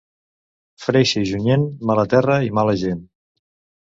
Freixa i Junyent, mala terra i mala gent.